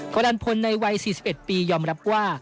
กรดันพลในวัย๔๑ปียอมรับว่า